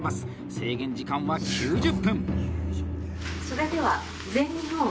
制限時間は９０分。